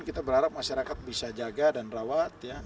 kita berharap masyarakat bisa jaga dan rawat